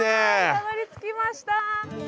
たどりつきました。